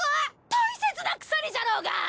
大切な鎖じゃろうが！